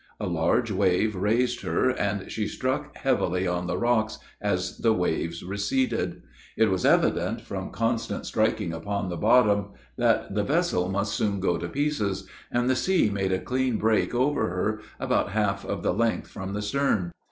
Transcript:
A large wave raised her, and she struck heavily on the rocks as the waves receded; it was evident, from constant striking upon the bottom, that the vessel must soon go to pieces; and the sea made a clean break over her, about half of the length from the stern.